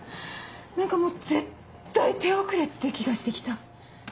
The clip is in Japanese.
何かもう絶対手遅れって気がして来た。